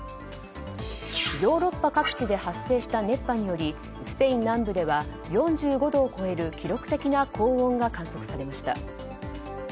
ヨーロッパ各地で発生した熱波によりスペイン南部では４５度を超える記録的高温が観測されました。